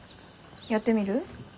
やってみる？